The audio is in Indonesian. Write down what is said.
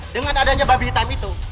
dengan adanya babi hitam itu